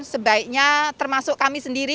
sebaiknya termasuk kami sendiri